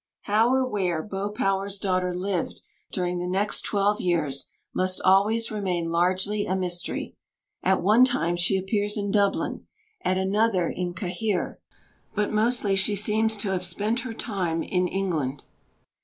How, or where, Beau Power's daughter lived during the next twelve years must always remain largely a mystery. At one time she appears in Dublin; at another, in Cahir; but mostly she seems to have spent her time in England.